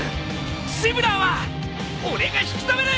シブラーは俺が引き留める！